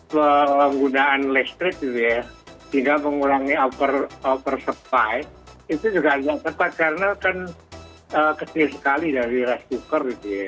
penggunaan listrik hingga mengurangi over supply itu juga tidak tepat karena kan kecil sekali dari rice cooker